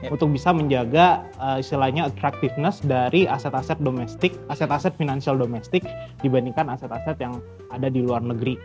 untuk bisa menjaga istilahnya attractiveness dari aset aset domestik aset aset finansial domestik dibandingkan aset aset yang ada di luar negeri